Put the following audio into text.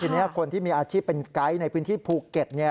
ทีนี้คนที่มีอาชีพเป็นไกด์ในพื้นที่ภูเก็ต